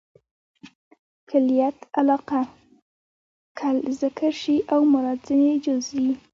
کلیت علاقه؛ کل ذکر سي او مراد ځني جز يي.